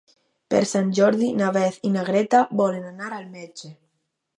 Per Sant Jordi na Beth i na Greta volen anar al metge.